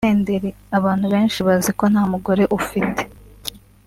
Senderi abantu benshi bazi ko nta mugore ufite